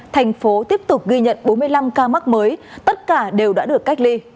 thành phố tiếp tục ghi nhận bốn mươi năm ca mắc mới tất cả đều đã được cách ly